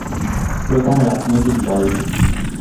প্রধান রাজনৈতিক দল।